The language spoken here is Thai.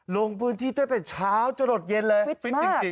ลงพื้นที่ตั้งแต่เช้าจนดที่เย็นเลย